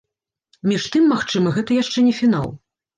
Між тым, магчыма, гэта яшчэ не фінал.